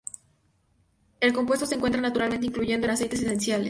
El compuesto se encuentra naturalmente, incluyendo en aceites esenciales.